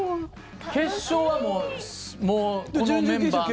決勝はもう、このメンバーの。